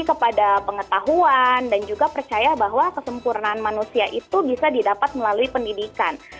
kepada pengetahuan dan juga percaya bahwa kesempurnaan manusia itu bisa didapat melalui pendidikan